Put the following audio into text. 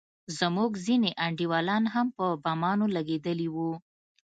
زموږ ځينې انډيولان هم په بمانو لگېدلي وو.